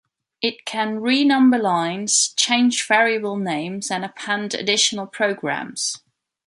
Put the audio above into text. It can renumber lines, change variable names, and append additional programs.